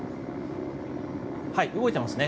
動いてますね。